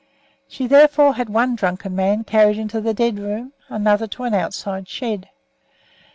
She therefore had one drunken man carried into the "dead room," another to an outside shed.